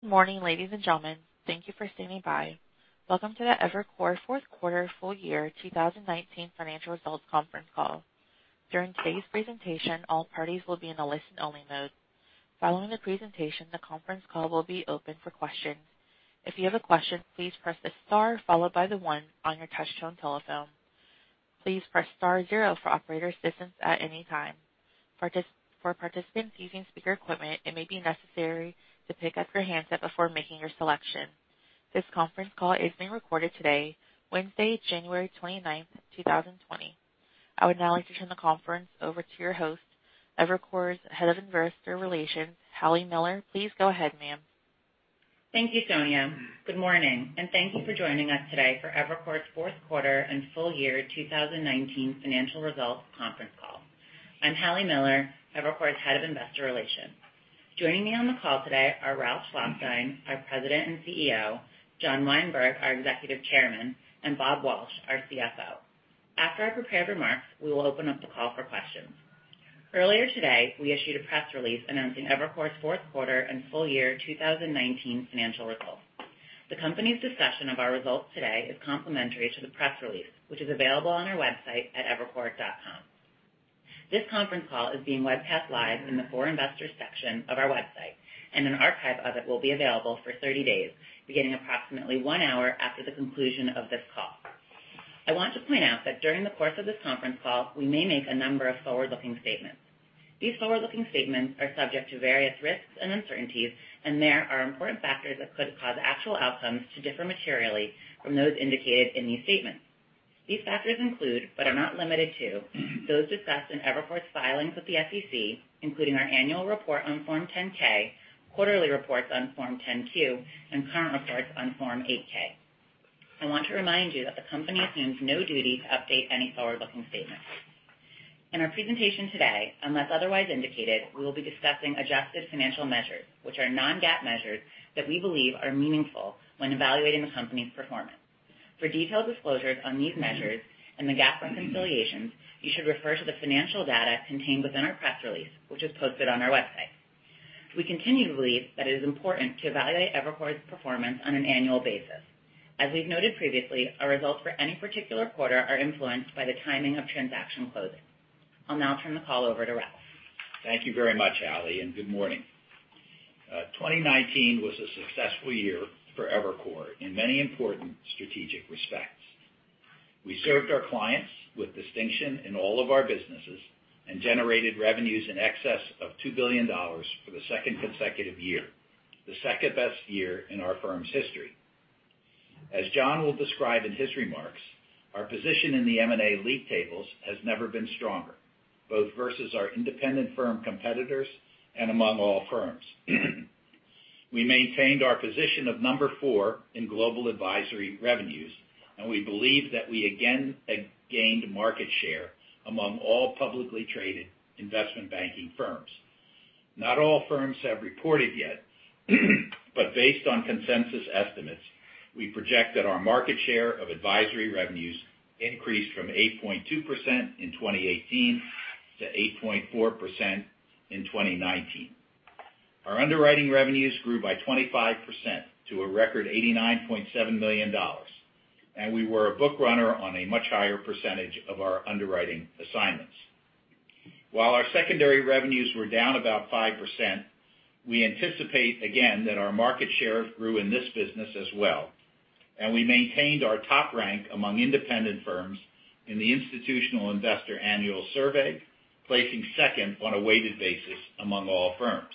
Morning, ladies and gentlemen. Thank you for standing by. Welcome to the Evercore fourth quarter Full Year 2019 financial results conference call. During today's presentation, all parties will be in a listen-only mode. Following the presentation, the conference call will be open for questions. If you have a question, please press the star followed by the one on your touchtone telephone. Please press star zero for operator assistance at any time. For participants using speaker equipment, it may be necessary to pick up your handset before making your selection. This conference call is being recorded today, Wednesday, January 29th, 2020. I would now like to turn the conference over to your host, Evercore's Head of Investor Relations, Hallie Miller. Please go ahead, ma'am. Thank you, Sonia. Good morning, and thank you for joining us today for Evercore's fourth quarter and Full Year 2019 financial results conference call. I'm Hallie Miller, Evercore's Head of Investor Relations. Joining me on the call today are Ralph Schlosstein, our President and CEO, John Weinberg, our Executive Chairman, and Bob Walsh, our CFO. After our prepared remarks, we will open up the call for questions. Earlier today, we issued a press release announcing Evercore's fourth quarter and Full Year 2019 financial results. The company's discussion of our results today is complimentary to the press release, which is available on our website at evercore.com. This conference call is being webcast live in the For Investors section of our website, and an archive of it will be available for 30 days, beginning approximately one hour after the conclusion of this call. I want to point out that during the course of this conference call, we may make a number of forward-looking statements. These forward-looking statements are subject to various risks and uncertainties, and there are important factors that could cause actual outcomes to differ materially from those indicated in these statements. These factors include, but are not limited to, those discussed in Evercore's filings with the SEC, including our annual report on Form 10-K, quarterly reports on Form 10-Q, and current reports on Form 8-K. I want to remind you that the company assumes no duty to update any forward-looking statements. In our presentation today, unless otherwise indicated, we will be discussing adjusted financial measures, which are non-GAAP measures that we believe are meaningful when evaluating the company's performance. For detailed disclosures on these measures and the GAAP reconciliations, you should refer to the financial data contained within our press release, which is posted on our website. We continue to believe that it is important to evaluate Evercore's performance on an annual basis. As we've noted previously, our results for any particular quarter are influenced by the timing of transaction closings. I'll now turn the call over to Ralph. Thank you very much, Hallie, and good morning. 2019 was a successful year for Evercore in many important strategic respects. We served our clients with distinction in all of our businesses and generated revenues in excess of $2 billion for the second consecutive year, the second-best year in our firm's history. As John will describe in his remarks, our position in the M&A league tables has never been stronger, both versus our independent firm competitors and among all firms. We maintained our position of number four in global advisory revenues, and we believe that we again gained market share among all publicly traded investment banking firms. Not all firms have reported yet, but based on consensus estimates, we project that our market share of advisory revenues increased from 8.2% in 2018 to 8.4% in 2019. Our underwriting revenues grew by 25% to a record $89.7 million, we were a book runner on a much higher percentage of our underwriting assignments. While our secondary revenues were down about 5%, we anticipate again that our market share grew in this business as well, we maintained our top rank among independent firms in the Institutional Investor annual survey, placing second on a weighted basis among all firms.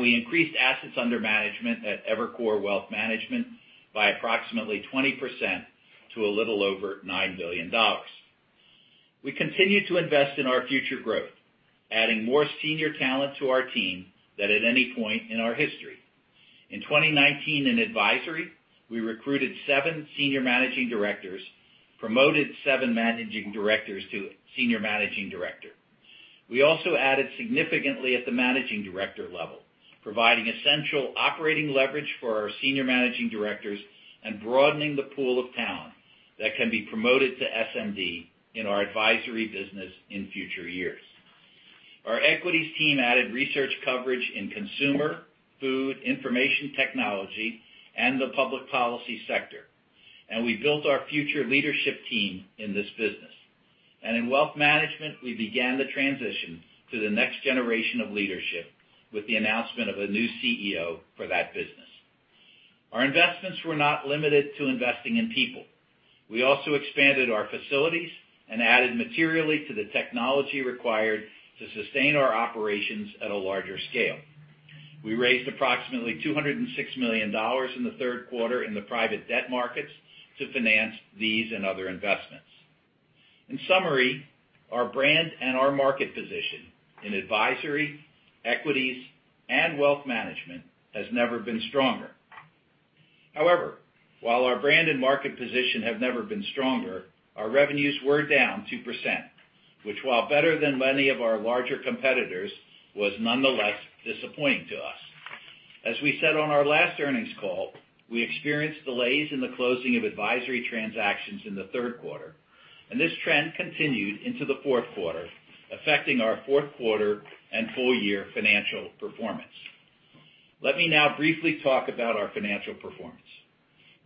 We increased assets under management at Evercore Wealth Management by approximately 20% to a little over $9 billion. We continue to invest in our future growth, adding more senior talent to our team than at any point in our history. In 2019, in advisory, we recruited seven senior managing directors, promoted seven managing directors to senior managing director. We also added significantly at the managing director level, providing essential operating leverage for our senior managing directors and broadening the pool of talent that can be promoted to SMD in our advisory business in future years. Our equities team added research coverage in consumer, food, information technology, and the public policy sector, we built our future leadership team in this business. In Wealth Management, we began the transition to the next generation of leadership with the announcement of a new CEO for that business. Our investments were not limited to investing in people. We also expanded our facilities and added materially to the technology required to sustain our operations at a larger scale. We raised approximately $206 million in the third quarter in the private debt markets to finance these and other investments. In summary, our brand and our market position in advisory, equities, and wealth management has never been stronger. However, while our brand and market position have never been stronger, our revenues were down 2%, which, while better than many of our larger competitors, was nonetheless disappointing to us. As we said on our last earnings call, we experienced delays in the closing of advisory transactions in the third quarter. This trend continued into the fourth quarter, affecting our fourth quarter and full year financial performance. Let me now briefly talk about our financial performance.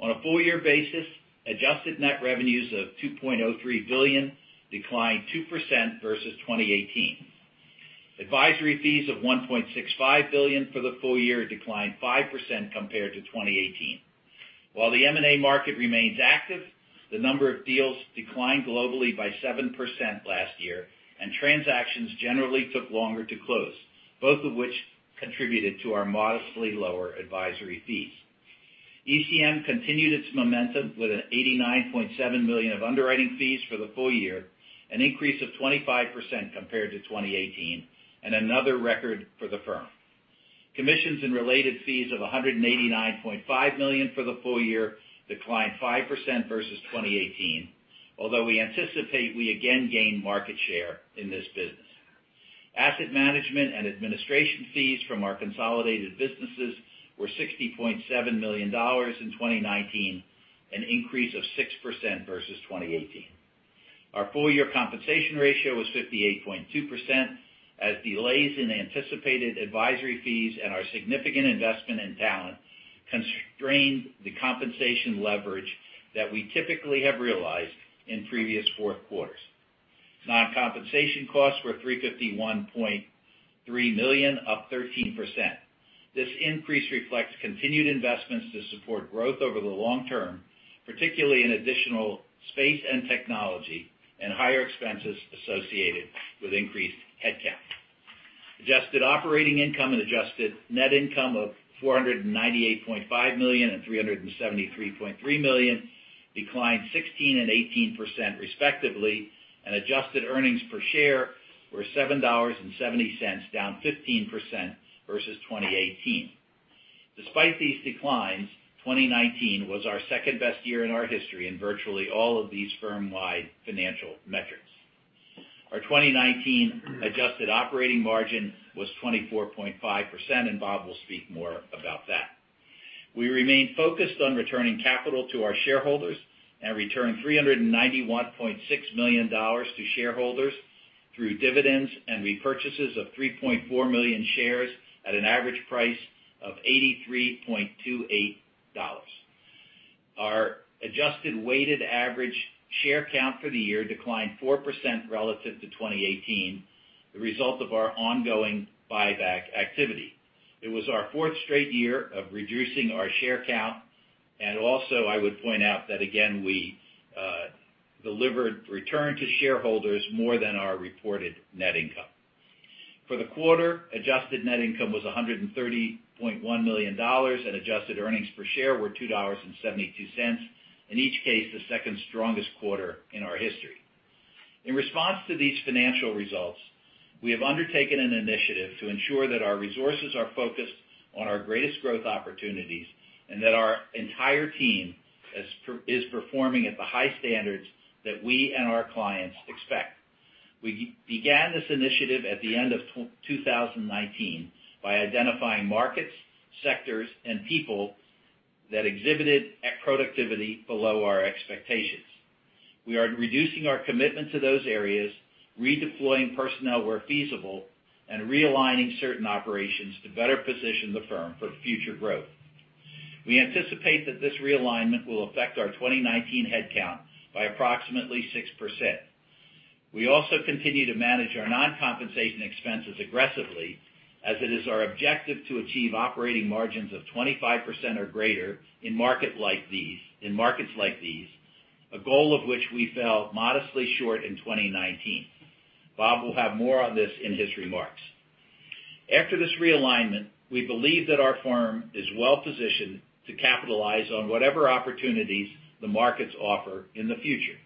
On a full year basis, adjusted net revenues of $2.03 billion declined 2% versus 2018. Advisory fees of $1.65 billion for the full year declined 5% compared to 2018. While the M&A market remains active, the number of deals declined globally by 7% last year, and transactions generally took longer to close, both of which contributed to our modestly lower advisory fees. ECM continued its momentum with $89.7 million of underwriting fees for the full year, an increase of 25% compared to 2018, and another record for the firm. Commissions and related fees of $189.5 million for the full year declined 5% versus 2018, although we anticipate we again gain market share in this business. Asset management and administration fees from our consolidated businesses were $60.7 million in 2019, an increase of 6% versus 2018. Our full year compensation ratio was 58.2%, as delays in anticipated advisory fees and our significant investment in talent constrained the compensation leverage that we typically have realized in previous fourth quarters. Non-compensation costs were $351.3 million, up 13%. This increase reflects continued investments to support growth over the long term, particularly in additional space and technology, and higher expenses associated with increased headcount. Adjusted operating income and adjusted net income of $498.5 million and $373.3 million declined 16% and 18% respectively, and adjusted earnings per share were $7.70, down 15% versus 2018. Despite these declines, 2019 was our second-best year in our history in virtually all of these firm-wide financial metrics. Our 2019 adjusted operating margin was 24.5%, and Bob will speak more about that. We remain focused on returning capital to our shareholders, and returned $391.6 million to shareholders through dividends and repurchases of 3.4 million shares at an average price of $83.28. Our adjusted weighted average share count for the year declined 4% relative to 2018, the result of our ongoing buyback activity. It was our fourth straight year of reducing our share count, and also I would point out that again, we delivered return to shareholders more than our reported net income. For the quarter, adjusted net income was $130.1 million, and adjusted earnings per share were $2.72, in each case, the second strongest quarter in our history. In response to these financial results, we have undertaken an initiative to ensure that our resources are focused on our greatest growth opportunities, and that our entire team is performing at the high standards that we and our clients expect. We began this initiative at the end of 2019 by identifying markets, sectors, and people that exhibited at productivity below our expectations. We are reducing our commitment to those areas, redeploying personnel where feasible, and realigning certain operations to better position the firm for future growth. We anticipate that this realignment will affect our 2019 head count by approximately 6%. We also continue to manage our non-compensation expenses aggressively as it is our objective to achieve operating margins of 25% or greater in markets like these, a goal of which we fell modestly short in 2019. Bob will have more on this in his remarks. After this realignment, we believe that our firm is well-positioned to capitalize on whatever opportunities the markets offer in the future.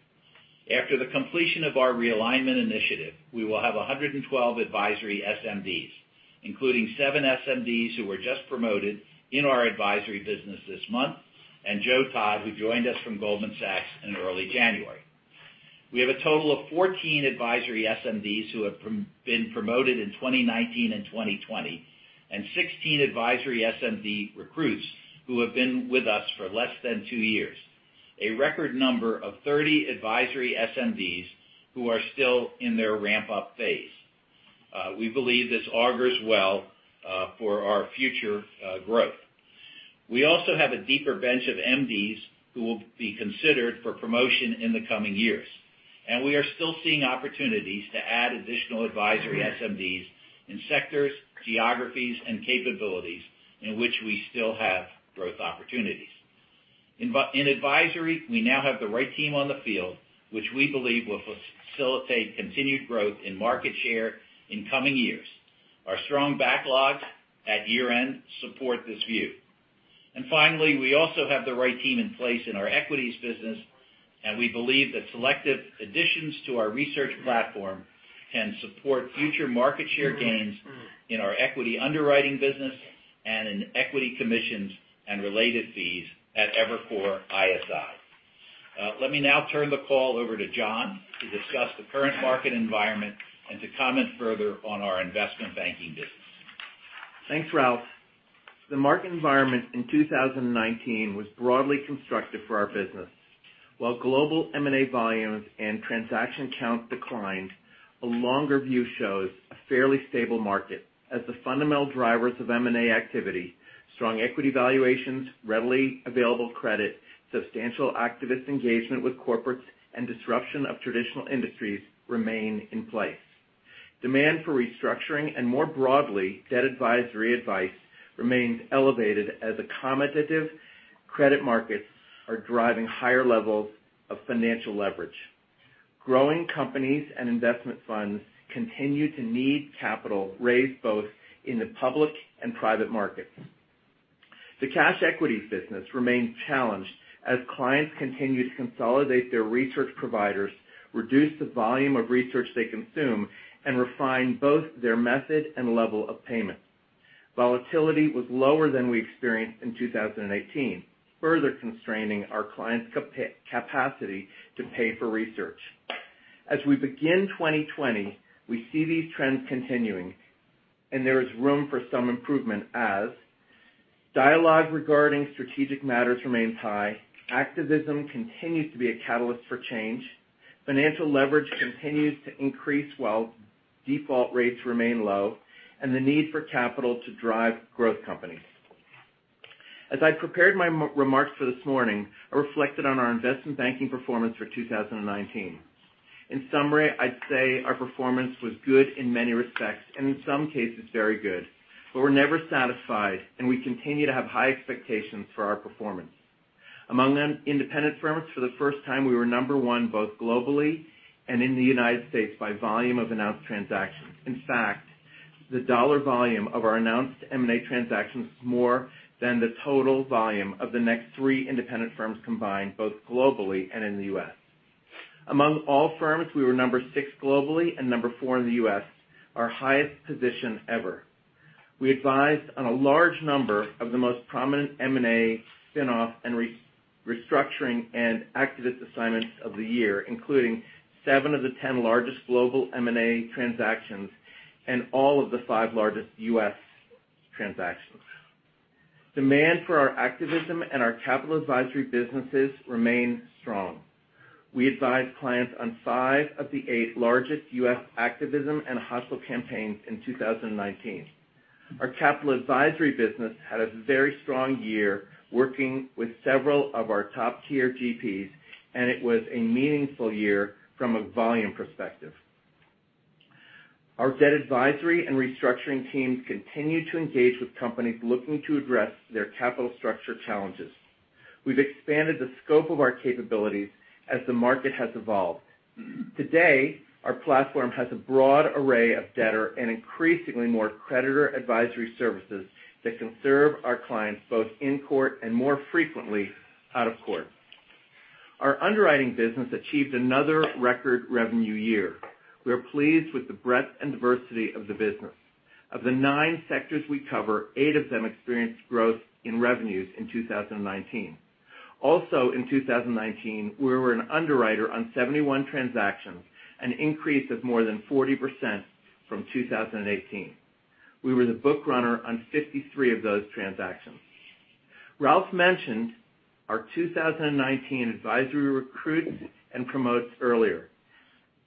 After the completion of our realignment initiative, we will have 112 advisory SMDs, including seven SMDs who were just promoted in our advisory business this month, and Joe Todd, who joined us from Goldman Sachs in early January. We have a total of 14 advisory SMDs who have been promoted in 2019 and 2020, and 16 advisory SMD recruits who have been with us for less than two years. A record number of 30 advisory SMDs who are still in their ramp-up phase. We believe this augurs well for our future growth. We also have a deeper bench of MDs who will be considered for promotion in the coming years, and we are still seeing opportunities to add additional advisory SMDs in sectors, geographies, and capabilities in which we still have growth opportunities. In advisory, we now have the right team on the field, which we believe will facilitate continued growth in market share in coming years. Our strong backlogs at year-end support this view. Finally, we also have the right team in place in our equities business, and we believe that selective additions to our research platform can support future market share gains in our equity underwriting business and in equity commissions and related fees at Evercore ISI. Let me now turn the call over to John to discuss the current market environment and to comment further on our investment banking business. Thanks, Ralph. The market environment in 2019 was broadly constructive for our business. While global M&A volumes and transaction counts declined, a longer view shows a fairly stable market as the fundamental drivers of M&A activity, strong equity valuations, readily available credit, substantial activist engagement with corporates, and disruption of traditional industries remain in place. Demand for restructuring and more broadly, debt advisory advice remains elevated as accommodative credit markets are driving higher levels of financial leverage. Growing companies and investment funds continue to need capital raised both in the public and private markets. The cash equities business remains challenged as clients continue to consolidate their research providers, reduce the volume of research they consume, and refine both their method and level of payment. Volatility was lower than we experienced in 2018, further constraining our clients' capacity to pay for research. As we begin 2020, we see these trends continuing, and there is room for some improvement as dialogue regarding strategic matters remains high, activism continues to be a catalyst for change, financial leverage continues to increase while default rates remain low, and the need for capital to drive growth companies. As I prepared my remarks for this morning, I reflected on our investment banking performance for 2019. In summary, I'd say our performance was good in many respects, and in some cases very good. We're never satisfied, and we continue to have high expectations for our performance. Among independent firms, for the first time, we were number one both globally and in the United States by volume of announced transactions. In fact, the dollar volume of our announced M&A transactions was more than the total volume of the next three independent firms combined, both globally and in the U.S. Among all firms, we were number six globally and number four in the U.S., our highest position ever. We advised on a large number of the most prominent M&A spinoff and restructuring and activist assignments of the year, including seven of the 10 largest global M&A transactions and all of the five largest U.S. transactions. Demand for our activism and our capital advisory businesses remain strong. We advised clients on five of the eight largest U.S. activism and hostile campaigns in 2019. Our capital advisory business had a very strong year working with several of our top-tier GPs, and it was a meaningful year from a volume perspective. Our debt advisory and restructuring teams continue to engage with companies looking to address their capital structure challenges. We've expanded the scope of our capabilities as the market has evolved. Today, our platform has a broad array of debtor and increasingly more creditor advisory services that can serve our clients both in court and more frequently, out of court. Our underwriting business achieved another record revenue year. We are pleased with the breadth and diversity of the business. Of the nine sectors we cover, eight of them experienced growth in revenues in 2019. Also in 2019, we were an underwriter on 71 transactions, an increase of more than 40% from 2018. We were the book runner on 53 of those transactions. Ralph mentioned our 2019 advisory recruits and promotes earlier.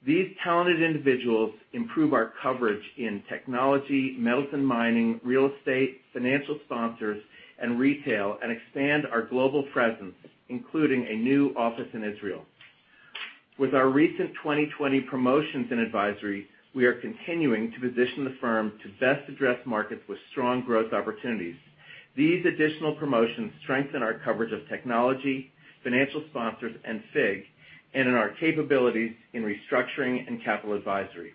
These talented individuals improve our coverage in technology, metals and mining, real estate, financial sponsors, and retail, and expand our global presence, including a new office in Israel. With our recent 2020 promotions in advisory, we are continuing to position the firm to best address markets with strong growth opportunities. These additional promotions strengthen our coverage of technology, financial sponsors, and FIG, and in our capabilities in restructuring and capital advisory.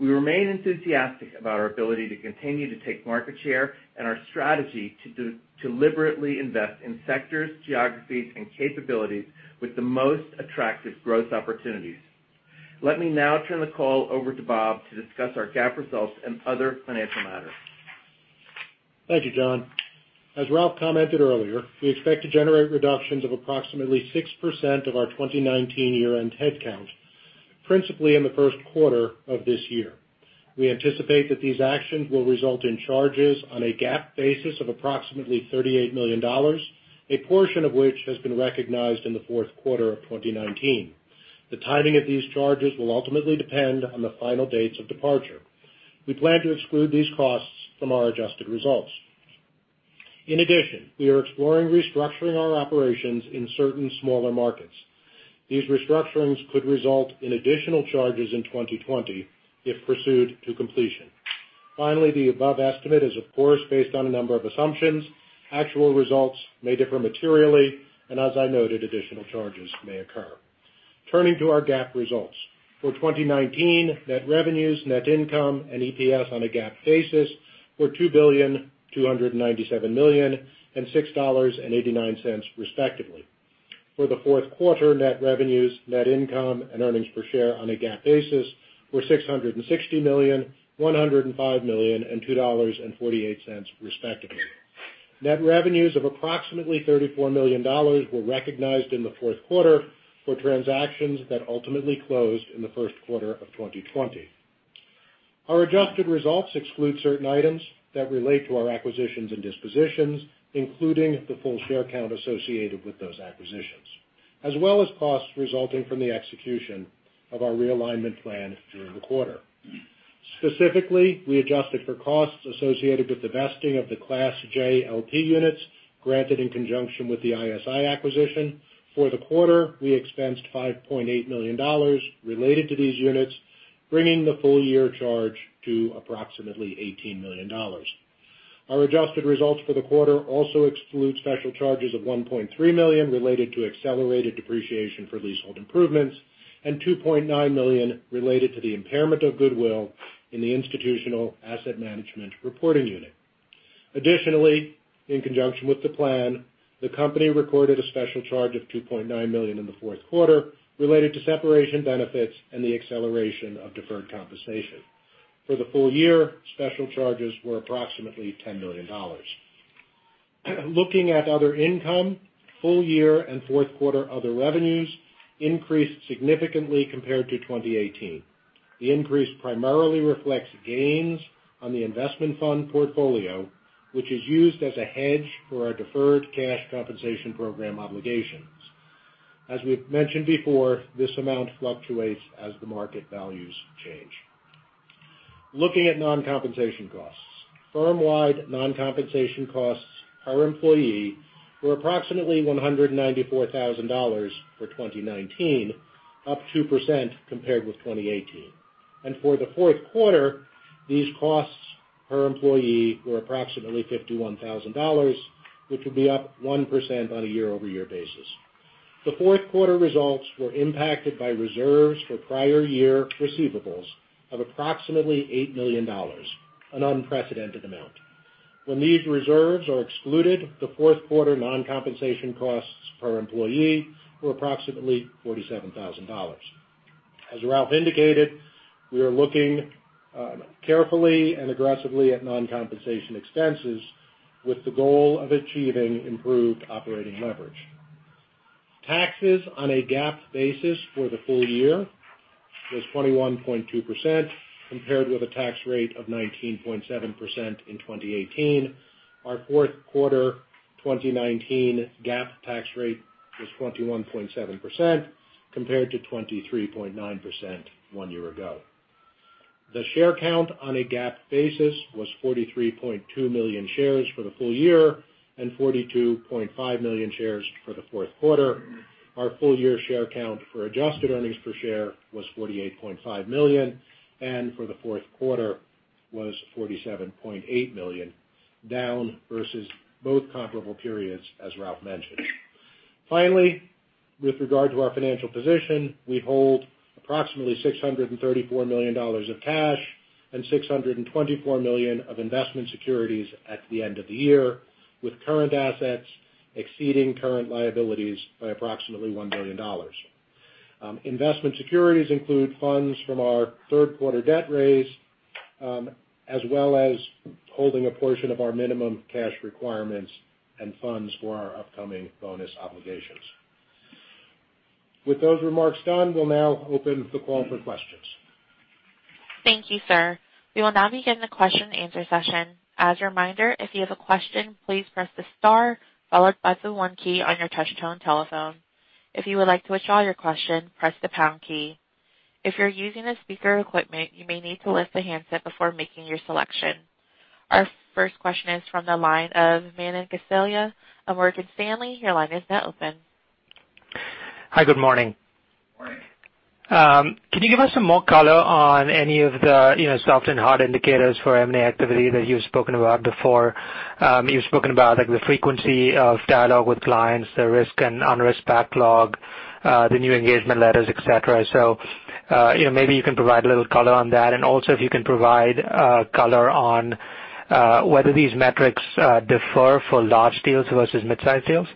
We remain enthusiastic about our ability to continue to take market share and our strategy to deliberately invest in sectors, geographies, and capabilities with the most attractive growth opportunities. Let me now turn the call over to Bob to discuss our GAAP results and other financial matters. Thank you, John. As Ralph commented earlier, we expect to generate reductions of approximately 6% of our 2019 year-end headcount, principally in the first quarter of this year. We anticipate that these actions will result in charges on a GAAP basis of approximately $38 million, a portion of which has been recognized in the fourth quarter of 2019. The timing of these charges will ultimately depend on the final dates of departure. We plan to exclude these costs from our adjusted results. In addition, we are exploring restructuring our operations in certain smaller markets. These restructurings could result in additional charges in 2020 if pursued to completion. Finally, the above estimate is, of course, based on a number of assumptions. Actual results may differ materially, and as I noted, additional charges may occur. Turning to our GAAP results. For 2019, net revenues, net income, and EPS on a GAAP basis were $2.297 billion and $6.89 respectively. For the fourth quarter, net revenues, net income, and earnings per share on a GAAP basis were $660 million, $105 million, and $2.48 respectively. Net revenues of approximately $34 million were recognized in the fourth quarter for transactions that ultimately closed in the first quarter of 2020. Our adjusted results exclude certain items that relate to our acquisitions and dispositions, including the full share count associated with those acquisitions, as well as costs resulting from the execution of our realignment plan during the quarter. Specifically, we adjusted for costs associated with the vesting of the Class J LP units granted in conjunction with the ISI acquisition. For the quarter, we expensed $5.8 million related to these units, bringing the full year charge to approximately $18 million. Our adjusted results for the quarter also exclude special charges of $1.3 million related to accelerated depreciation for leasehold improvements and $2.9 million related to the impairment of goodwill in the institutional asset management reporting unit. Additionally, in conjunction with the plan, the company recorded a special charge of $2.9 million in the fourth quarter related to separation benefits and the acceleration of deferred compensation. For the full year, special charges were approximately $10 million. Looking at other income, full year and fourth quarter other revenues increased significantly compared to 2018. The increase primarily reflects gains on the investment fund portfolio, which is used as a hedge for our deferred cash compensation program obligations. As we've mentioned before, this amount fluctuates as the market values change. Looking at non-compensation costs. Firm-wide non-compensation costs per employee were approximately $194,000 for 2019, up 2% compared with 2018. For the fourth quarter, these costs per employee were approximately $51,000, which would be up 1% on a year-over-year basis. The fourth quarter results were impacted by reserves for prior year receivables of approximately $8 million, an unprecedented amount. When these reserves are excluded, the fourth quarter non-compensation costs per employee were approximately $47,000. As Ralph indicated, we are looking carefully and aggressively at non-compensation expenses with the goal of achieving improved operating leverage. Taxes on a GAAP basis for the full year was 21.2% compared with a tax rate of 19.7% in 2018. Our fourth quarter 2019 GAAP tax rate was 21.7% compared to 23.9% one year ago. The share count on a GAAP basis was 43.2 million shares for the full year and 42.5 million shares for the fourth quarter. Our full-year share count for adjusted earnings per share was $48.5 million, and for the fourth quarter was $47.8 million, down versus both comparable periods, as Ralph mentioned. Finally, with regard to our financial position, we hold approximately $634 million of cash and $624 million of investment securities at the end of the year, with current assets exceeding current liabilities by approximately $1 billion. Investment securities include funds from our third quarter debt raise, as well as holding a portion of our minimum cash requirements and funds for our upcoming bonus obligations. With those remarks done, we'll now open the call for questions. Thank you, sir. We will now begin the question and answer session. As a reminder, if you have a question, please press the star followed by the one key on your touch-tone telephone. If you would like to withdraw your question, press the pound key. If you're using the speaker equipment, you may need to lift the handset before making your selection. Our first question is from the line of Manan Gosalia of Morgan Stanley. Your line is now open. Hi, good morning. Morning. Can you give us some more color on any of the soft and hard indicators for M&A activity that you've spoken about before? You've spoken about the frequency of dialogue with clients, the risk and unrisked backlog, the new engagement letters, et cetera. Maybe you can provide a little color on that. If you can provide color on whether these metrics differ for large deals versus mid-size deals.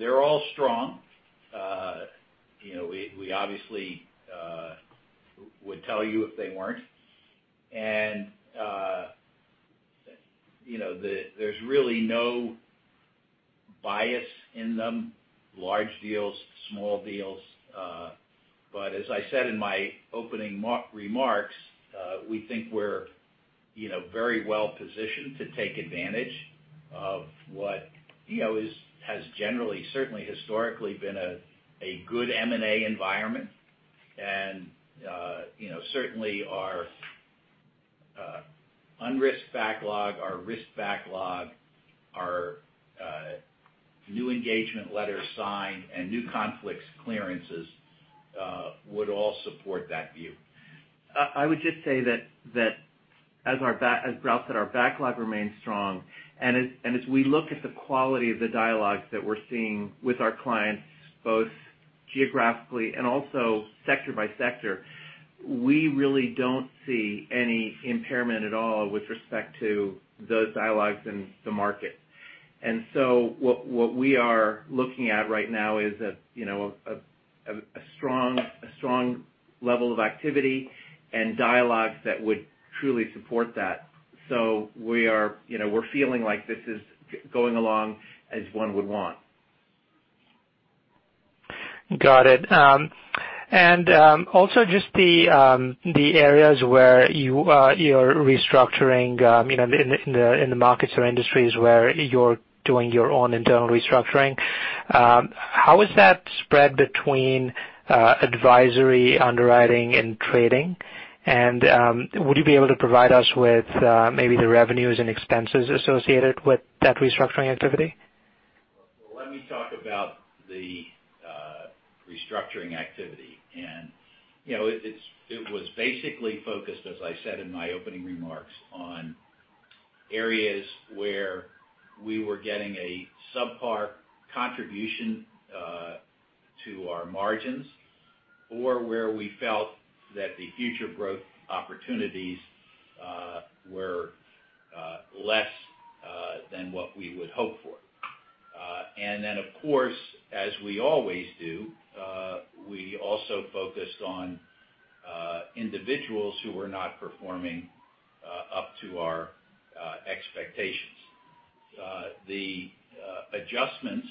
They're all strong. We obviously would tell you if they weren't. There's really no bias in them, large deals, small deals. As I said in my opening remarks, we think we're very well-positioned to take advantage of what has generally, certainly historically, been a good M&A environment. Certainly, our unrisked backlog, our risked backlog, our new engagement letters signed, and new conflicts clearances would all support that view. I would just say that as Ralph said, our backlog remains strong. As we look at the quality of the dialogues that we're seeing with our clients, both geographically and also sector by sector, we really don't see any impairment at all with respect to those dialogues in the market. What we are looking at right now is a strong level of activity and dialogues that would truly support that. We're feeling like this is going along as one would want. Got it. Also just the areas where you're restructuring in the markets or industries where you're doing your own internal restructuring. How is that spread between advisory underwriting and trading? Would you be able to provide us with maybe the revenues and expenses associated with that restructuring activity? Well, let me talk about the restructuring activity. It was basically focused, as I said in my opening remarks, on areas where we were getting a subpar contribution to our margins, or where we felt that the future growth opportunities were less than what we would hope for. Of course, as we always do, we also focused on individuals who were not performing up to our expectations. The adjustments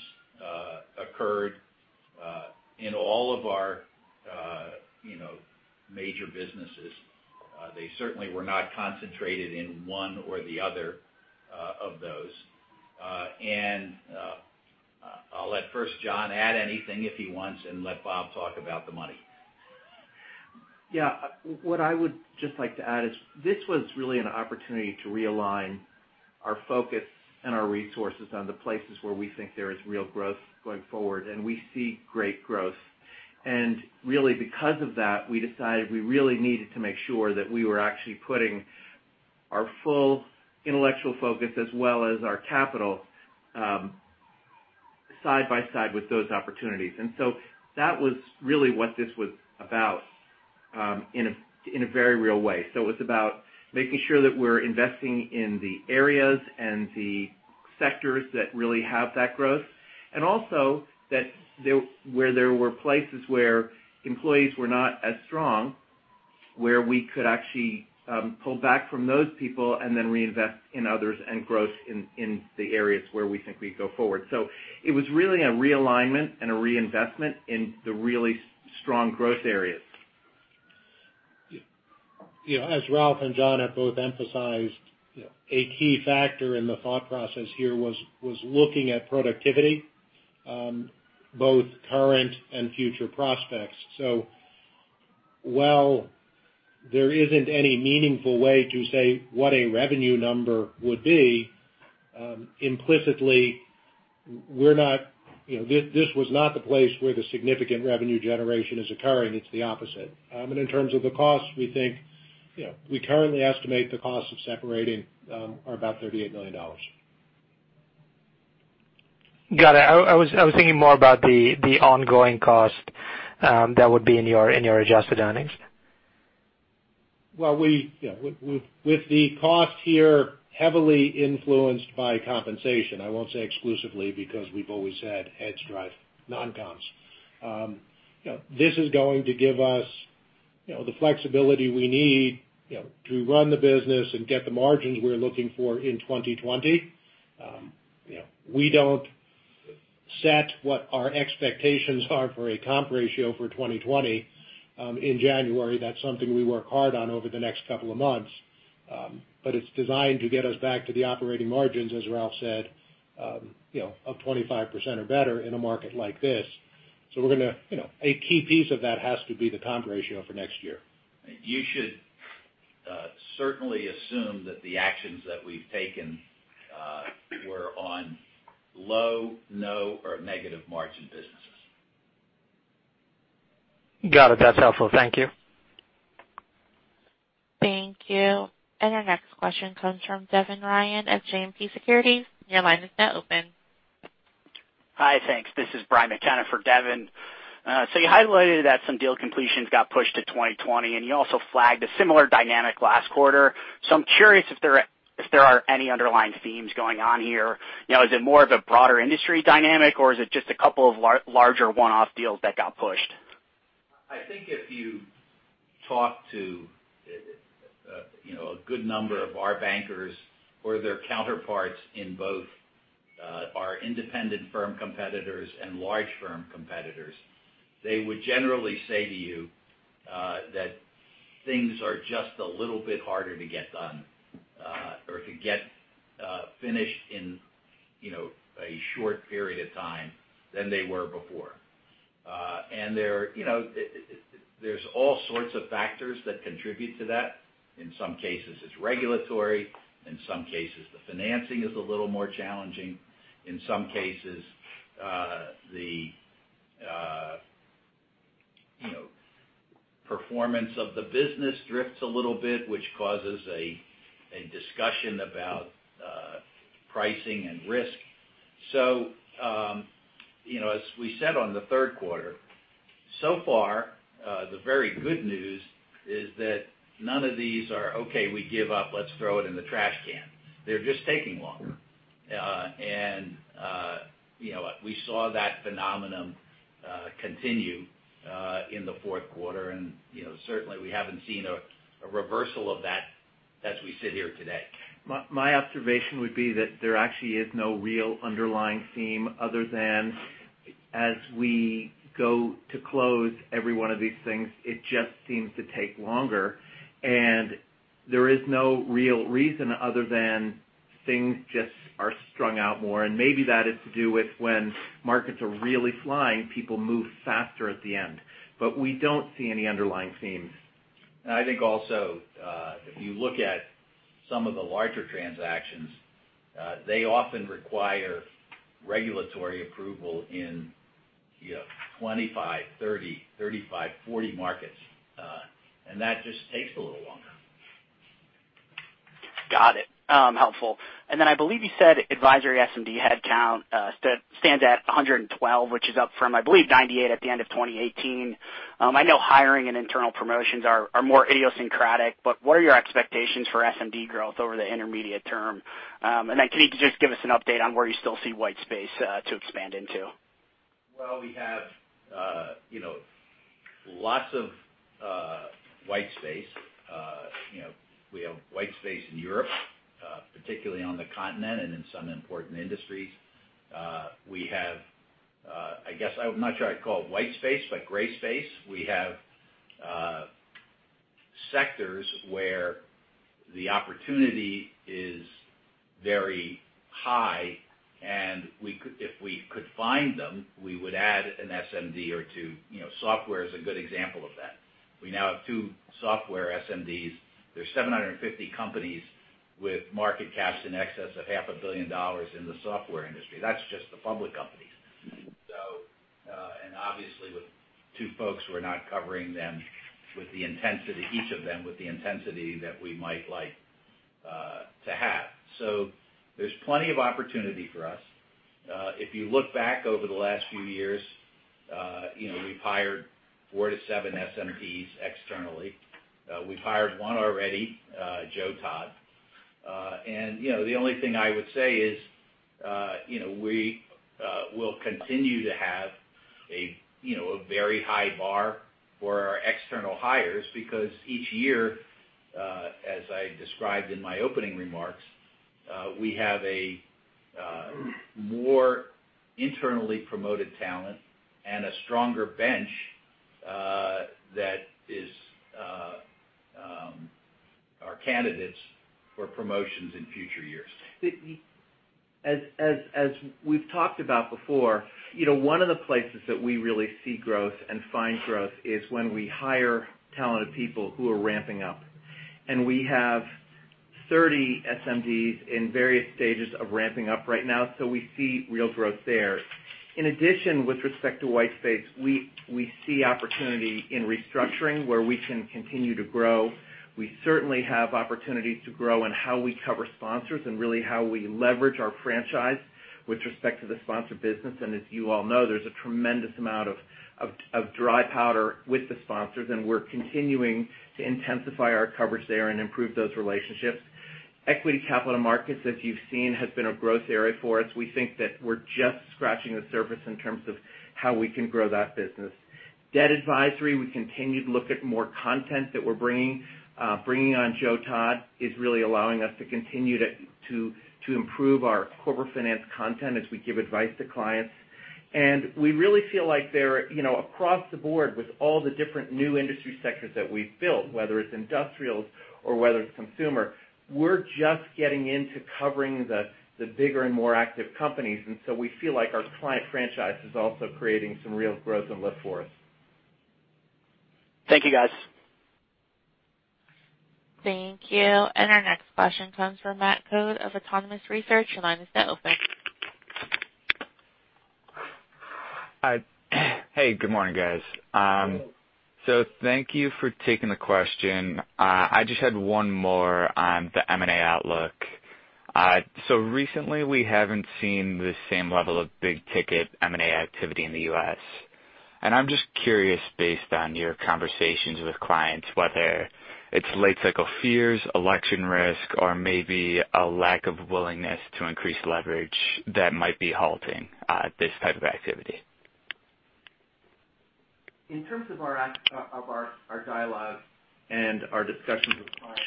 occurred in all of our major businesses. They certainly were not concentrated in one or the other of those. I'll let first John add anything if he wants, and let Bob talk about the money. Yeah. What I would just like to add is this was really an opportunity to realign our focus and our resources on the places where we think there is real growth going forward, and we see great growth. Really, because of that, we decided we really needed to make sure that we were actually putting our full intellectual focus as well as our capital, side by side with those opportunities. That was really what this was about in a very real way. It was about making sure that we're investing in the areas and the sectors that really have that growth. Also where there were places where employees were not as strong, where we could actually pull back from those people and then reinvest in others and growth in the areas where we think we go forward. It was really a realignment and a reinvestment in the really strong growth areas. Yeah. As Ralph and John have both emphasized, a key factor in the thought process here was looking at productivity, both current and future prospects. While there isn't any meaningful way to say what a revenue number would be, implicitly, this was not the place where the significant revenue generation is occurring. It's the opposite. In terms of the cost, we currently estimate the cost of separating are about $38 million. Got it. I was thinking more about the ongoing cost that would be in your adjusted earnings. With the cost here heavily influenced by compensation, I won't say exclusively because we've always had hedge drive non-comps. This is going to give us the flexibility we need to run the business and get the margins we're looking for in 2020. We don't set what our expectations are for a comp ratio for 2020 in January. That's something we work hard on over the next couple of months. It's designed to get us back to the operating margins, as Ralph said, of 25% or better in a market like this. A key piece of that has to be the comp ratio for next year. You should certainly assume that the actions that we've taken were on low, no or negative margin businesses. Got it. That's helpful. Thank you. Thank you. Our next question comes from Devin Ryan at JMP Securities. Your line is now open. Hi, thanks. This is Brian McKenna for Devin. You highlighted that some deal completions got pushed to 2020, and you also flagged a similar dynamic last quarter. I'm curious if there are any underlying themes going on here. Is it more of a broader industry dynamic, or is it just a couple of larger one-off deals that got pushed? I think if you talk to a good number of our bankers or their counterparts in both our independent firm competitors and large firm competitors, they would generally say to you that things are just a little bit harder to get done or to get finished in a short period of time than they were before. There's all sorts of factors that contribute to that. In some cases, it's regulatory. In some cases, the financing is a little more challenging. In some cases, the performance of the business drifts a little bit, which causes a discussion about pricing and risk. As we said on the third quarter, so far, the very good news is that none of these are, "Okay, we give up, let's throw it in the trash can." They're just taking longer. We saw that phenomenon continue in the fourth quarter. Certainly, we haven't seen a reversal of that as we sit here today. My observation would be that there actually is no real underlying theme other than as we go to close every one of these things, it just seems to take longer, and there is no real reason other than things just are strung out more. Maybe that is to do with when markets are really flying, people move faster at the end. We don't see any underlying themes. I think also, if you look at some of the larger transactions, they often require regulatory approval in 25, 30, 35, 40 markets. That just takes a little longer. Got it. Helpful. I believe you said advisory SMD headcount stands at 112, which is up from, I believe, 98 at the end of 2018. I know hiring and internal promotions are more idiosyncratic, but what are your expectations for SMD growth over the intermediate term? Can you just give us an update on where you still see white space to expand into? Well, we have lots of white space. We have white space in Europe, particularly on the continent and in some important industries. We have, I guess I'm not sure I'd call it white space, but gray space. We have sectors where the opportunity is very high, and if we could find them, we would add an SMD or two. Software is a good example of that. We now have two software SMDs. There's 750 companies with market caps in excess of half a billion dollars in the software industry. That's just the public companies. Obviously, with two folks, we're not covering each of them with the intensity that we might like to have. There's plenty of opportunity for us. If you look back over the last few years, we've hired 4-7 SMDs externally. We've hired one already, Joe Todd. The only thing I would say is we will continue to have a very high bar for our external hires because each year, as I described in my opening remarks, we have a more internally promoted talent and a stronger bench that is our candidates for promotions in future years. As we've talked about before, one of the places that we really see growth and find growth is when we hire talented people who are ramping up. We have 30 SMDs in various stages of ramping up right now, so we see real growth there. In addition, with respect to white space, we see opportunity in restructuring where we can continue to grow. We certainly have opportunities to grow in how we cover sponsors and really how we leverage our franchise with respect to the sponsor business. As you all know, there's a tremendous amount of dry powder with the sponsors, and we're continuing to intensify our coverage there and improve those relationships. Equity capital markets, as you've seen, has been a growth area for us. We think that we're just scratching the surface in terms of how we can grow that business. Debt advisory, we continue to look at more content that we're bringing. Bringing on Joe Todd is really allowing us to continue to improve our corporate finance content as we give advice to clients. We really feel like they're across the board with all the different new industry sectors that we've built, whether it's industrials or whether it's consumer. We're just getting into covering the bigger and more active companies, we feel like our client franchise is also creating some real growth and lift for us. Thank you, guys. Thank you. Our next question comes from Matthew Coad of Autonomous Research. Your line is now open. Hey, good morning, guys. Hello. Thank you for taking the question. I just had one more on the M&A outlook. Recently, we haven't seen the same level of big-ticket M&A activity in the U.S. I'm just curious, based on your conversations with clients, whether it's late cycle fears, election risk, or maybe a lack of willingness to increase leverage that might be halting this type of activity. In terms of our dialogues and our discussions with clients,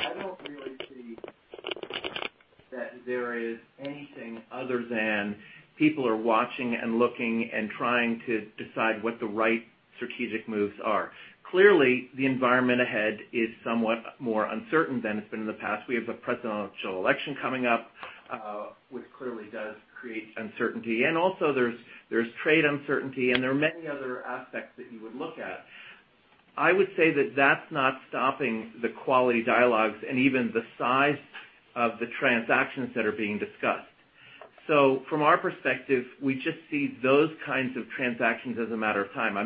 I don't really see that there is anything other than people are watching and looking and trying to decide what the right strategic moves are. Clearly, the environment ahead is somewhat more uncertain than it's been in the past. We have the presidential election coming up, which clearly does create uncertainty. Also, there's trade uncertainty, and there are many other aspects that you would look at. I would say that that's not stopping the quality dialogues and even the size of the transactions that are being discussed. From our perspective, we just see those kinds of transactions as a matter of time.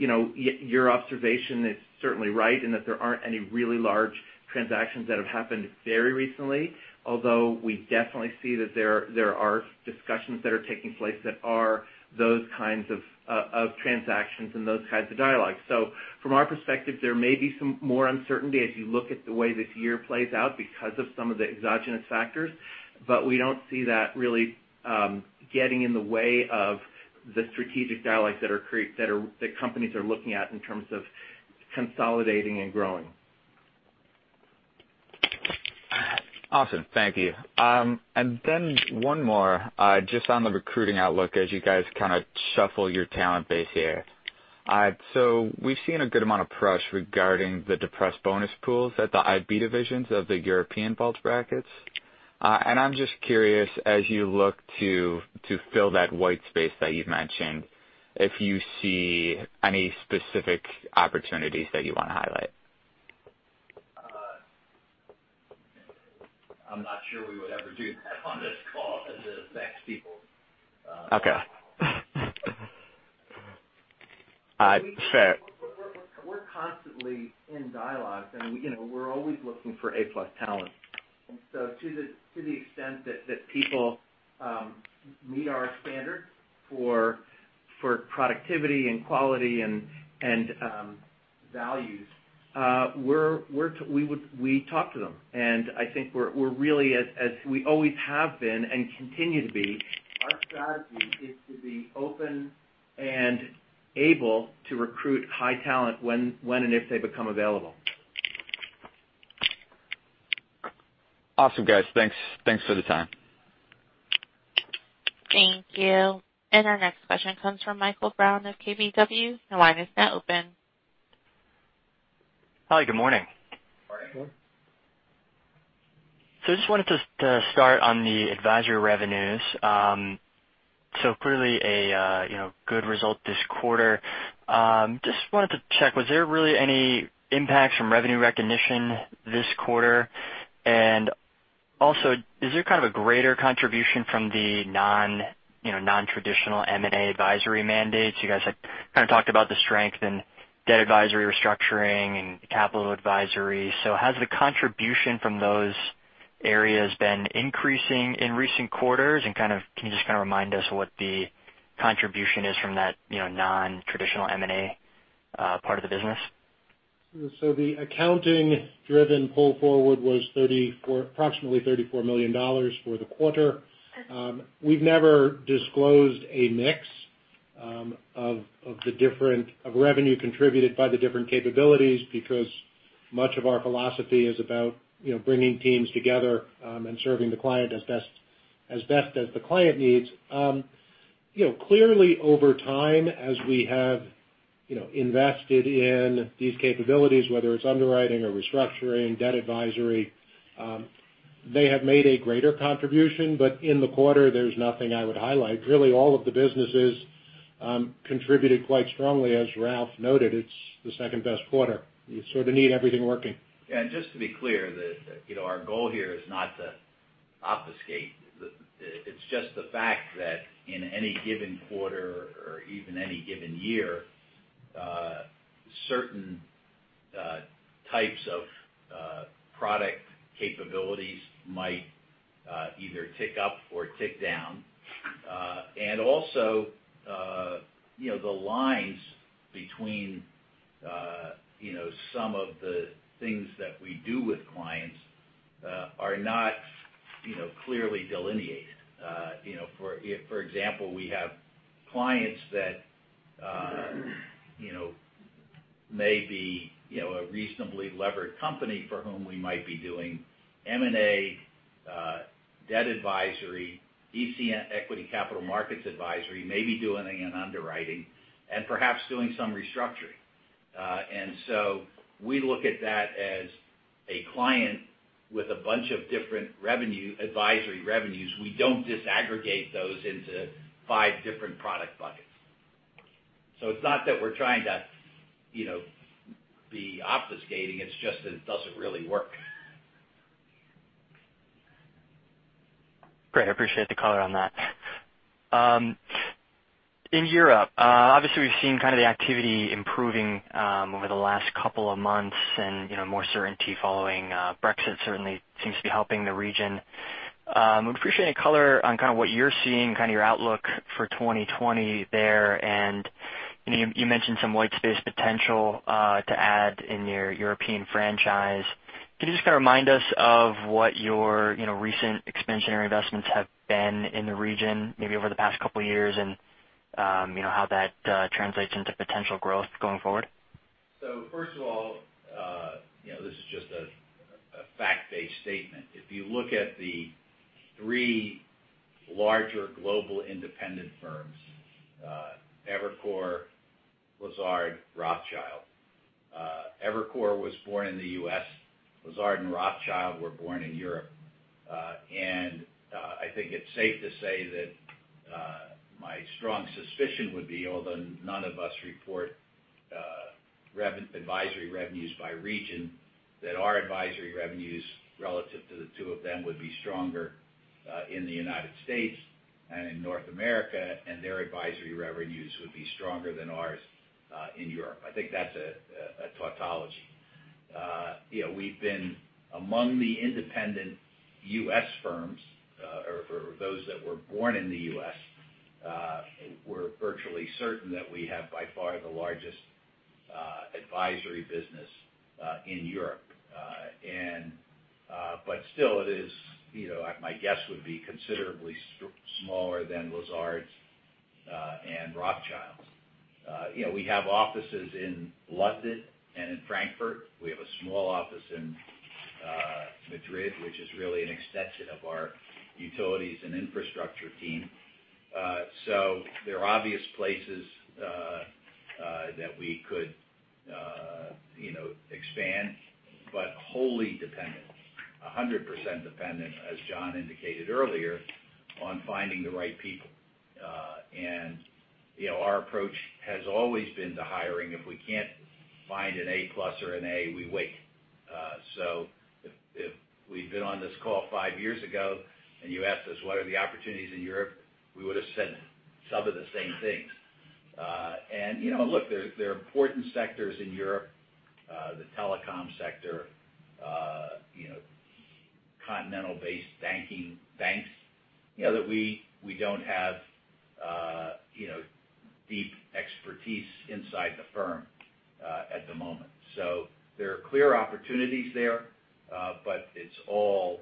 Your observation is certainly right in that there aren't any really large transactions that have happened very recently, although we definitely see that there are discussions that are taking place that are those kinds of transactions and those kinds of dialogues. From our perspective, there may be some more uncertainty as you look at the way this year plays out because of some of the exogenous factors. We don't see that really getting in the way of the strategic dialogues that companies are looking at in terms of consolidating and growing. Awesome. Thank you. Then one more, just on the recruiting outlook as you guys kind of shuffle your talent base here. We've seen a good amount of press regarding the depressed bonus pools at the IB divisions of the European bulge brackets. I'm just curious, as you look to fill that white space that you've mentioned, if you see any specific opportunities that you want to highlight? I'm not sure [audio destortion] Okay. Fair. We're constantly in dialogues, and we're always looking for A-plus talent. To the extent that people meet our standards for productivity and quality and values, we talk to them. I think we're really, as we always have been and continue to be, our strategy is to be open and able to recruit high talent when and if they become available. Awesome, guys. Thanks. Thanks for the time. Thank you. Our next question comes from Michael Brown of KBW. Your line is now open. Hi, good morning. Morning. I just wanted to start on the advisory revenues. Clearly a good result this quarter. Just wanted to check, was there really any impacts from revenue recognition this quarter? Also, is there kind of a greater contribution from the non-traditional M&A advisory mandates? You guys had kind of talked about the strength in debt advisory restructuring and capital advisory. Has the contribution from those areas been increasing in recent quarters? Can you just kind of remind us what the contribution is from that non-traditional M&A part of the business? The accounting-driven pull forward was approximately $34 million for the quarter. We've never disclosed a mix of revenue contributed by the different capabilities because much of our philosophy is about bringing teams together and serving the client as best as the client needs. Clearly over time, as we have invested in these capabilities, whether it's underwriting or restructuring, debt advisory, they have made a greater contribution. In the quarter, there's nothing I would highlight. Really, all of the businesses contributed quite strongly. As Ralph noted, it's the second-best quarter. You sort of need everything working. Just to be clear that our goal here is not to obfuscate. It's just the fact that in any given quarter or even any given year, certain types of product capabilities might either tick up or tick down. Also, the lines between some of the things that we do with clients are not clearly delineated. For example, we have clients that may be a reasonably levered company for whom we might be doing M&A, debt advisory, ECM, equity capital markets advisory, maybe doing an underwriting and perhaps doing some restructuring. We look at that as a client with a bunch of different advisory revenues. We don't disaggregate those into five different product buckets. It's not that we're trying to be obfuscating. It's just that it doesn't really work. Great. I appreciate the color on that. In Europe, obviously we've seen kind of the activity improving over the last couple of months and more certainty following Brexit certainly seems to be helping the region. I would appreciate any color on kind of what you're seeing, kind of your outlook for 2020 there. You mentioned some white space potential to add in your European franchise. Could you just kind of remind us of what your recent expansionary investments have been in the region, maybe over the past couple of years, and how that translates into potential growth going forward? First of all, this is just a fact-based statement. If you look at the three larger global independent firms, Evercore, Lazard, Rothschild. Evercore was born in the U.S., Lazard and Rothschild were born in Europe. I think it's safe to say that my strong suspicion would be, although none of us report-advisory revenues by region, that our advisory revenues relative to the two of them would be stronger in the United States and in North America, and their advisory revenues would be stronger than ours in Europe. I think that's a tautology. We've been among the independent U.S. firms, or those that were born in the U.S. We're virtually certain that we have by far the largest advisory business in Europe. Still, my guess would be considerably smaller than Lazard's and Rothschild's. We have offices in London and in Frankfurt. We have a small office in Madrid, which is really an extension of our utilities and infrastructure team. There are obvious places that we could expand, but wholly dependent, 100% dependent, as John indicated earlier, on finding the right people. Our approach has always been to hiring. If we can't find an A+ or an A, we wait. If we'd been on this call five years ago and you asked us what are the opportunities in Europe, we would've said some of the same things. Look, there are important sectors in Europe, the telecom sector, continental-based banks, that we don't have deep expertise inside the firm at the moment. There are clear opportunities there. It's all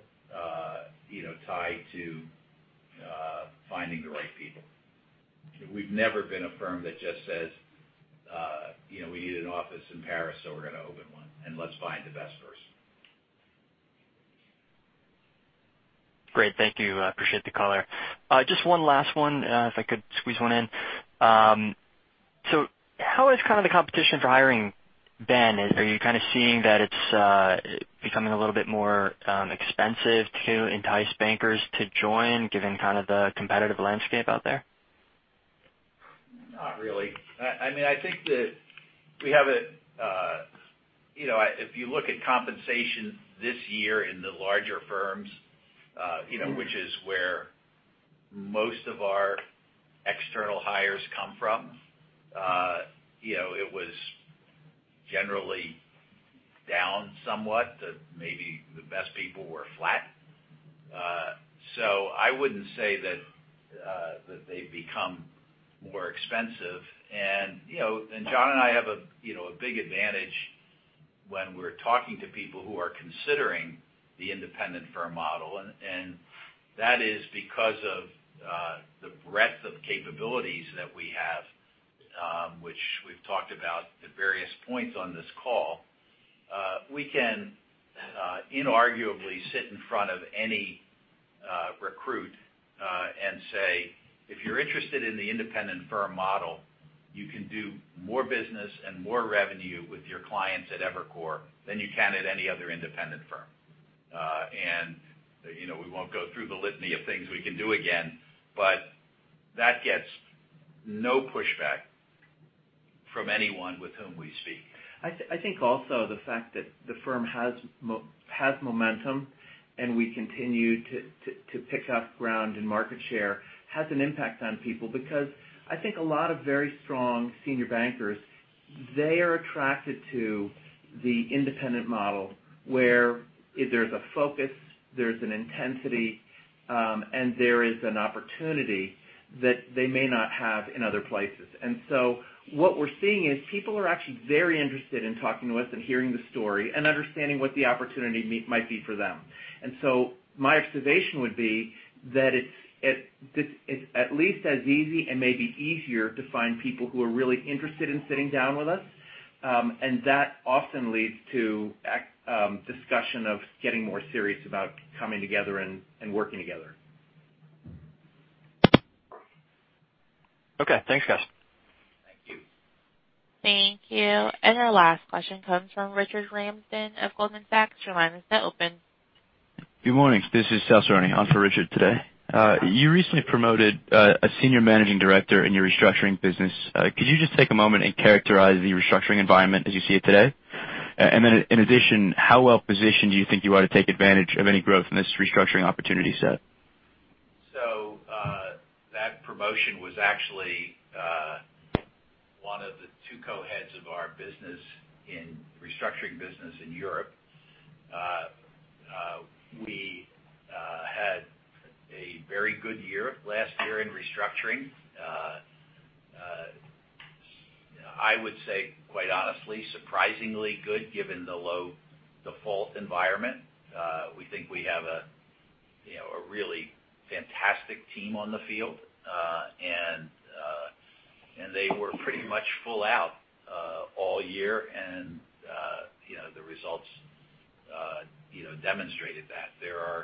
tied to finding the right people. We've never been a firm that just says, "We need an office in Paris, so we're going to open one, and let's find investors. Great, thank you. Appreciate the color. Just one last one, if I could squeeze one in. How has the competition for hiring been? Are you seeing that it's becoming a little bit more expensive to entice bankers to join, given the competitive landscape out there? Not really. I think that if you look at compensation this year in the larger firms, which is where most of our external hires come from, it was generally down somewhat. Maybe the best people were flat. I wouldn't say that they've become more expensive. John and I have a big advantage when we're talking to people who are considering the independent firm model, and that is because of the breadth of capabilities that we have, which we've talked about at various points on this call. We can inarguably sit in front of any recruit and say, "If you're interested in the independent firm model, you can do more business and more revenue with your clients at Evercore than you can at any other independent firm." We won't go through the litany of things we can do again. That gets no pushback from anyone with whom we speak. I think also the fact that the firm has momentum, and we continue to pick up ground and market share has an impact on people, because I think a lot of very strong senior bankers, they are attracted to the independent model, where there's a focus, there's an intensity, and there is an opportunity that they may not have in other places. What we're seeing is people are actually very interested in talking with us and hearing the story and understanding what the opportunity might be for them. My observation would be that it's at least as easy and maybe easier to find people who are really interested in sitting down with us. That often leads to discussion of getting more serious about coming together and working together. Okay. Thanks, guys. Thank you. Thank you. Our last question comes from Richard Ramsden of Goldman Sachs. Your line is now open. Good morning. This is Sal Cerone on for Richard today. You recently promoted a Senior Managing Director in your restructuring business. Could you just take a moment and characterize the restructuring environment as you see it today? In addition, how well-positioned do you think you are to take advantage of any growth in this restructuring opportunity set? That promotion was actually one of the two co-heads of our restructuring business in Europe. We had a very good year last year in restructuring. I would say, quite honestly, surprisingly good given the low default environment. We think we have a really fantastic team on the field. They were pretty much full out all year. The results demonstrated that.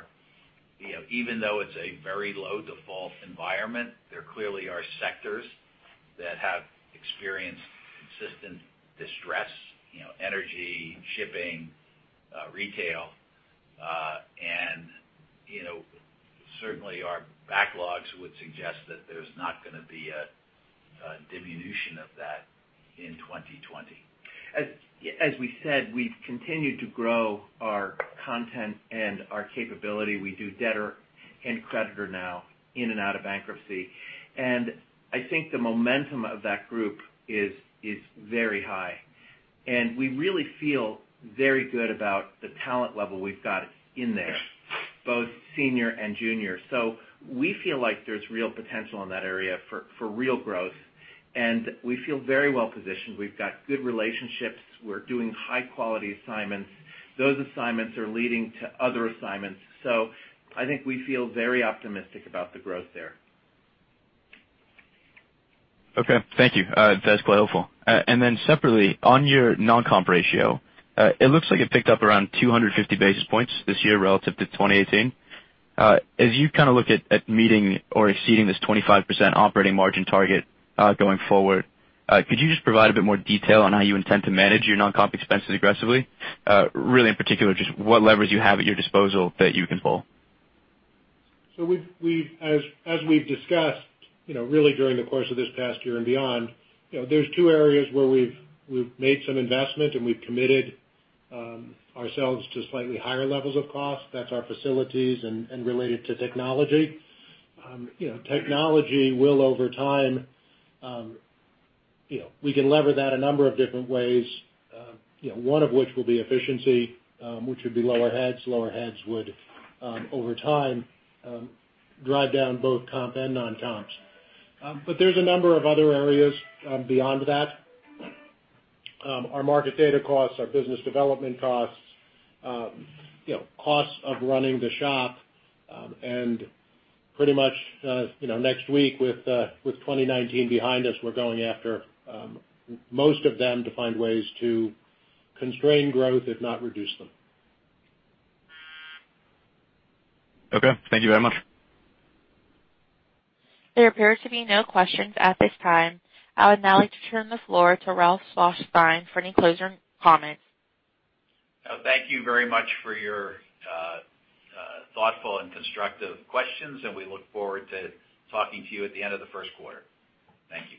Even though it's a very low default environment, there clearly are sectors that have experienced consistent distress. Energy, shipping, retail. Certainly our backlogs would suggest that there's not going to be a diminution of that in 2020. As we said, we've continued to grow our content and our capability. We do debtor and creditor now in and out of bankruptcy. I think the momentum of that group is very high, and we really feel very good about the talent level we've got in there, both senior and junior. We feel like there's real potential in that area for real growth, and we feel very well-positioned. We've got good relationships. We're doing high-quality assignments. Those assignments are leading to other assignments. I think we feel very optimistic about the growth there. Okay. Thank you. That's quite helpful. Then separately, on your non-comp ratio, it looks like it picked up around 250 basis points this year relative to 2018. As you look at meeting or exceeding this 25% operating margin target going forward, could you just provide a bit more detail on how you intend to manage your non-comp expenses aggressively? Really, in particular, just what leverage you have at your disposal that you can pull. As we've discussed really during the course of this past year and beyond, there's two areas where we've made some investment, and we've committed ourselves to slightly higher levels of cost. That's our facilities and related to technology. Technology will, over time, we can lever that a number of different ways. One of which will be efficiency, which would be lower heads. Lower heads would, over time, drive down both comp and non-comps. There's a number of other areas beyond that. Our market data costs, our business development costs of running the shop. Pretty much next week with 2019 behind us, we're going after most of them to find ways to constrain growth, if not reduce them. Okay, thank you very much. There appear to be no questions at this time. I would now like to turn the floor to Ralph Schlosstein for any closing comments. Thank you very much for your thoughtful and constructive questions, and we look forward to talking to you at the end of the first quarter. Thank you.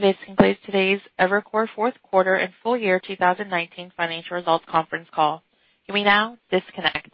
This concludes today's Evercore fourth quarter and full year 2019 financial results conference call. You may now disconnect.